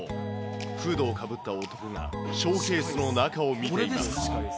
フードをかぶった男が、ショーケースの中を見ている。